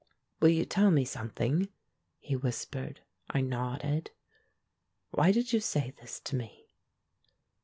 "Will you tell me something?" he whispered. I nodded. "Why did you say this to me?"